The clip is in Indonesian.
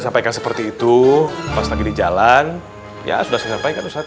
sampaikan seperti itu pas lagi di jalan ya sudah saya sampaikan ustadz